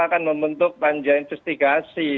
akan membentuk panjang investigasi